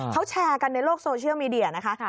เขาแชร์กันในโลกโซเชียลมีเดียนะคะ